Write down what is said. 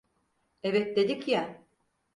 Evet dedik ya!